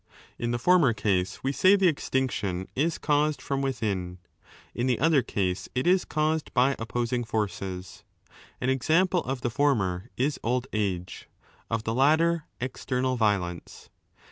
In the former case we say the extinction is caused from within, in the other case it is caused by opposing forces ;^ an example of the former is old age; of the latter, external violence.